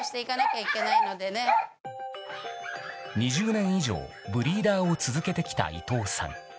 ２０年以上、ブリーダーを続けてきた伊藤さん。